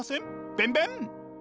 ベンベン！